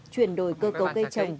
chuyển đổi cơ cấu gây trồng